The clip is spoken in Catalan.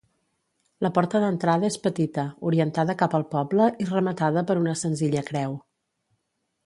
La porta d'entrada és petita, orientada cap al poble i rematada per una senzilla creu.